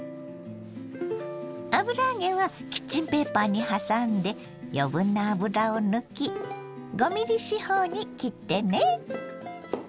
油揚げはキッチンペーパーにはさんで余分な油を抜き５ｍｍ四方に切ってね。